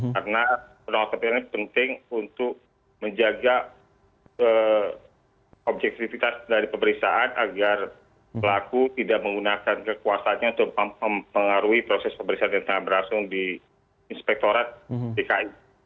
karena penolakan keperluan penting untuk menjaga objektifitas dari pemeriksaan agar pelaku tidak menggunakan kekuasanya untuk mengaruhi proses pemeriksaan yang telah berlangsung di inspektorat dki